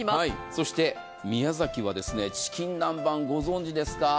そして宮崎はチキン南蛮ご存じですか。